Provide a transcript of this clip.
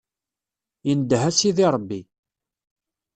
Indeh a Sidi Ṛebbi.